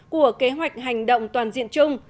của kế hoạch hành động toàn diện chung